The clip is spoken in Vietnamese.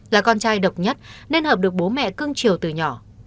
là con trai độc nhất nên hợp được bố mẹ cưng chiều từ nhỏ